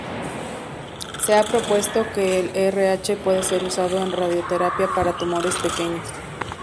Se ha propuesto que el Rh pueda ser usado en radioterapia para tumores pequeños.